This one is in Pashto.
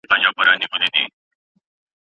نه په بګړۍ نه په تسپو نه په وینا سمېږي